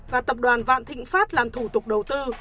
và tập đoàn vạn thịnh pháp làm thủ tục đầu tư